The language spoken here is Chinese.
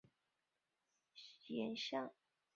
孙策命他截杀了曹操任命的扬州刺史严象。